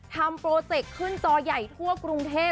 โปรเจคขึ้นจอใหญ่ทั่วกรุงเทพ